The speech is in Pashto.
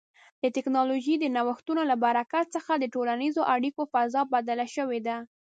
د ټکنالوژۍ د نوښتونو له برکت څخه د ټولنیزو اړیکو فضا بدله شوې ده.